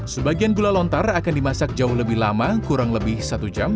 sebagian gula lontar akan dimasak jauh lebih lama kurang lebih satu jam